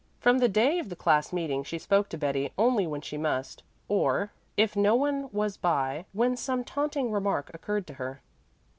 From the day of the class meeting she spoke to Betty only when she must, or, if no one was by, when some taunting remark occurred to her.